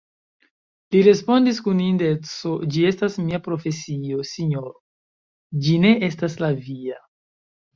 Li respondis kun indeco: Ĝi estas mia profesio, sinjoro: ĝi ne estas la via.